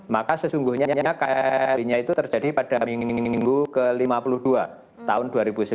maka sesungguhnya kri nya itu terjadi pada minggu ke lima puluh dua tahun dua ribu sembilan belas